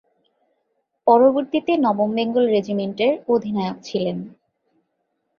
পরবর্তীতে নবম বেঙ্গল রেজিমেন্টের অধিনায়ক ছিলেন।